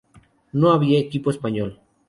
No había equipo español.